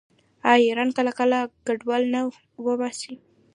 آیا ایران کله کله کډوال نه وباسي؟